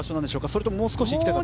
それとももう少し行きたかったか。